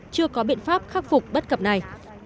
chưa có biện pháp khắc phục bất cập này